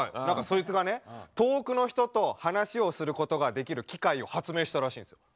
何かそいつがね遠くの人と話をすることができる機械を発明したらしいんです。